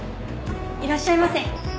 いらっしゃいませ。